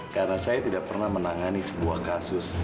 karena saya tidak pernah menangani sebuah kasus